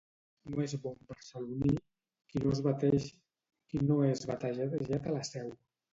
No és bon barceloní qui no és batejat a la Seu.